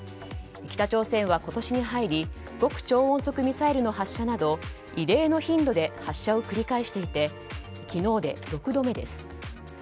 北朝鮮は今年に入り極超音速ミサイルの発射など異例の頻度で発射を繰り返していて昨日で６度目です。